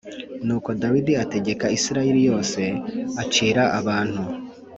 Nuko dawidi ategeka isirayeli yose acira abantu